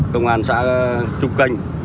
công an xã trung canh